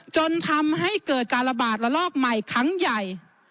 จนทำให้เกิดการระบาดระลอกใหม่ครั้งใหญ่